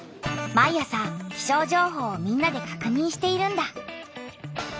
毎朝気象情報をみんなでかくにんしているんだ。